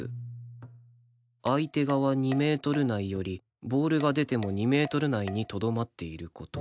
「相手側２メートル内よりボールが出ても２メートル内に留まっていること」